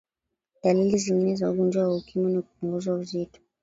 dalili zingine za ugonjwa wa ukimwi ni kupungua uzito